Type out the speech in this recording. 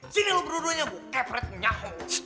sini lo berduanya gue kefret nyahong